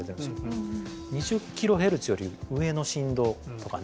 キロヘルツより上の振動とかね